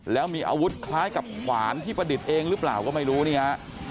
แล้วมีอาวุธคล้ายกับขวานที่ประดิษฐ์เองหรือเปล่าก็ไม่รู้เนี่ย